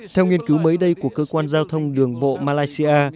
theo nghiên cứu mới đây của cơ quan giao thông đường bộ malaysia